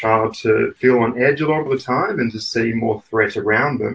jadi contohnya trauma dapat menyebabkan anak anak berasa di atas banyak waktu